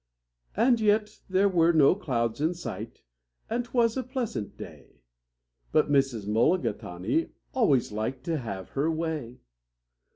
And yet there were no clouds in sight, and 'twas a pleasant day, But Mrs. Mulligatawny always liked to have her way.